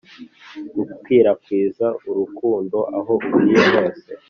gukwirakwiza urukundo aho ugiye hose.